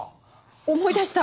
思い出した？